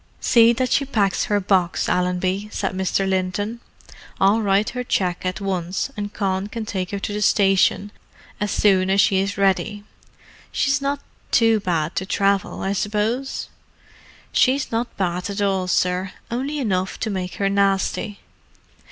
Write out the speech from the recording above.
"See that she packs her box, Allenby," said Mr. Linton. "I'll write her cheque at once, and Con can take her to the station as soon as she is ready. She's not too bad to travel, I suppose?" "She's not bad at all, sir. Only enough to make her nasty."